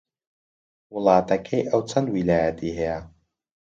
وڵاتەکەی ئەو چەند ویلایەتی هەیە؟